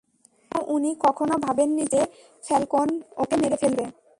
কিন্তু উনি কখনো ভাবেননি যে ফ্যালকোন ওকে মেরে ফেলবে।